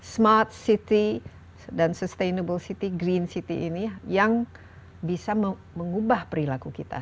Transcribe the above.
smart city dan sustainable city green city ini yang bisa mengubah perilaku kita